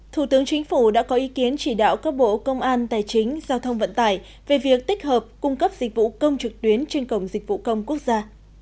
thủ tướng chính phủ đã có ý kiến chỉ đạo các bộ công an tài chính giao thông vận tải về việc tích hợp cung cấp dịch vụ công trực tuyến trên cổng dịch vụ công quốc gia